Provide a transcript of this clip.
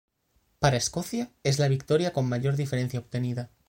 Para Escocia es la victoria con mayor diferencia obtenida.